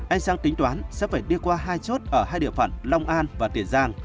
e sang tính toán sẽ phải đi qua hai chốt ở hai địa phận long an và tiền giang